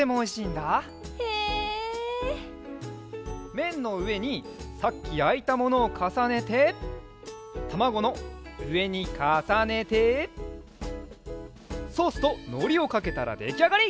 めんのうえにさっきやいたものをかさねてたまごのうえにかさねてソースとのりをかけたらできあがり！